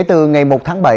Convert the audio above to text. kể từ ngày một tháng bảy